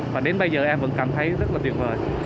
và đến bây giờ em vẫn cảm thấy rất là tuyệt vời